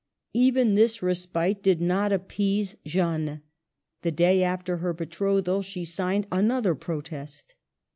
Even this respite did not appease A FALSE STEP. 1 8/ Jeanne. The day after her betrothal she signed another protest.